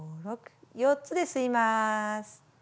４つで吸います。